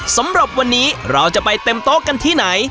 สำหรับวันนี้เราจะไปเต็มโต๊ะกันที่ไหน